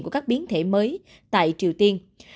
của các biến thể mới tại triều tiên